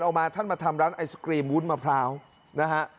เอามาท่านมาทำร้านไอศกรีมวุ้นมะพร้าวนะฮะ